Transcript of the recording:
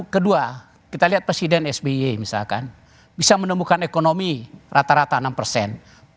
kedua kita lihat presiden sby misalkan bisa menemukan ekonomi rata rata enam persen